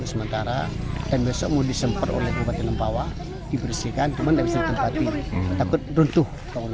sementara dan besok mau disemprot oleh bapak lempawa dibersihkan teman teman takut beruntuh